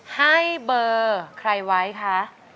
ให้เบอร์ใครไว้คะ